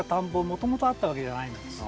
もともとあったわけじゃないんです。